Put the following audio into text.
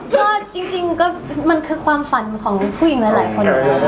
ก็จริงก็มันคือความฝันของผู้หญิงหลายคน